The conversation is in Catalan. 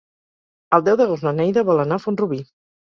El deu d'agost na Neida vol anar a Font-rubí.